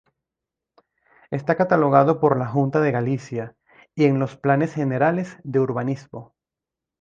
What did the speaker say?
Está catalogado por la Junta de Galicia y en los planes generales de urbanismo.